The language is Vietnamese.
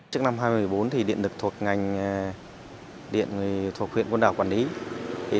trước năm hai nghìn một mươi bốn thì điện được thuộc ngành điện thuộc huyện côn đảo quản lý